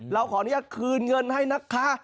เราขออนุญาตคืนเงินให้นะคะ